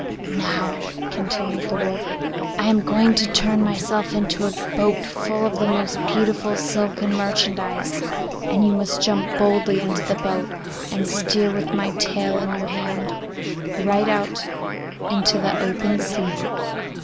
'Now,' continued the wolf, 'I am going to turn myself into a boat full of the most beautiful silken merchandise, and you must jump boldly into the boat, and steer with my tail in your hand right out into the open sea.